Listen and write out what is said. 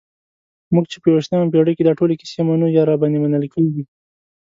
موږ چې په یویشتمه پېړۍ کې دا ټولې کیسې منو یا راباندې منل کېږي.